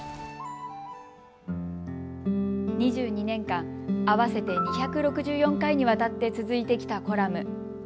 ２２年間、合わせて２６４回にわたって続いてきたコラム。